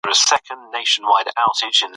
پوهه د اصطلاحاتو نه لوړه ده.